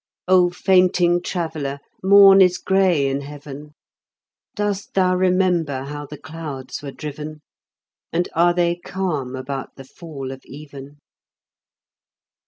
O fainting traveller, morn is gray in heaven. Dost thou remember how the clouds were driven? And are they calm about the fall of even?